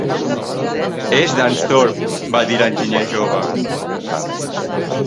És d'en Thorpe, va dir l'enginyer jove.